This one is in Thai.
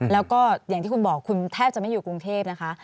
แล้วก็อย่างที่คุณบอกคุณแทบจะไม่อยู่กรุงเทพนะคะ